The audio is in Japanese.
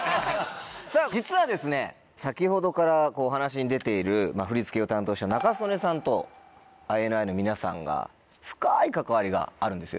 実は先ほどからお話に出ている振り付けを担当した仲宗根さんとＩＮＩの皆さんが深い関わりがあるんですよね？